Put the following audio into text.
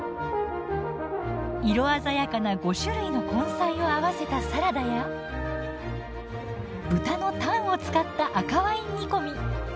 色鮮やかな５種類の根菜を合わせたサラダや豚のタンを使った赤ワイン煮込み。